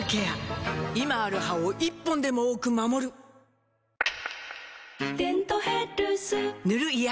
今ある歯を１本でも多く守る「デントヘルス」塗る医薬品も